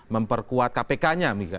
memperkuat kpk nya